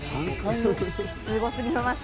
すごすぎます。